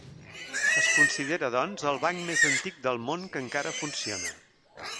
Es considera, doncs, el banc més antic del món que encara funciona.